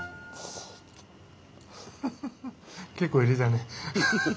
結構入れたね。